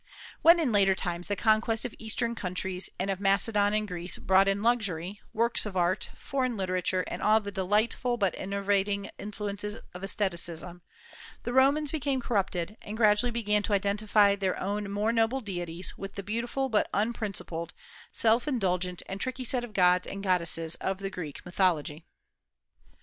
When in later times the conquest of Eastern countries and of Macedon and Greece brought in luxury, works of art, foreign literature, and all the delightful but enervating influences of aestheticism, the Romans became corrupted, and gradually began to identify their own more noble deities with the beautiful but unprincipled, self indulgent, and tricky set of gods and goddesses of the Greek mythology.